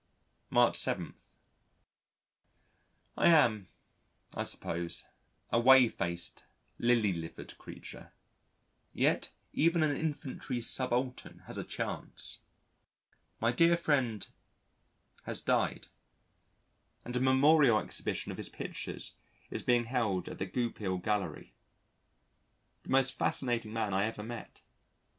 March 7. I am, I suppose, a whey faced, lily livered creature ... yet even an infantry subaltern has a chance.... My dear friend has died and a Memorial Exhibition of his pictures is being held at the Goupil Gallery. The most fascinating man I ever met.